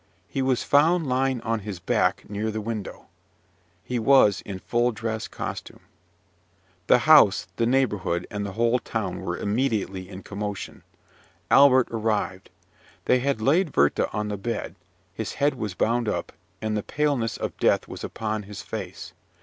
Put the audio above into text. He was found lying on his back near the window. He was in full dress costume. The house, the neighbourhood, and the whole town were immediately in commotion. Albert arrived. They had laid Werther on the bed: his head was bound up, and the paleness of death was upon his face.